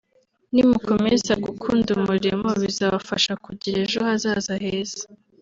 nimukomeza gukunda umurimo bizabafasha kugira ejo hazaza heza”